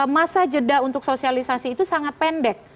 masa jeda untuk sosialisasi itu sangat pendek